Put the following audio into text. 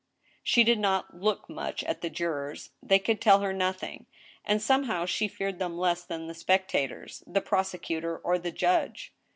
She did not look much at the jurors ; they could tell her noth ing ; and, somehow, she feared them less than the spectators, the prosecutor, or the judge.